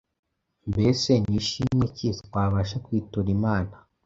Mbese ni shimwe ki twabasha kwitura Imana,